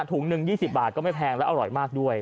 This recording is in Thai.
ถุงหนึ่ง๒๐บาทก็ไม่แพงและอร่อยมากด้วย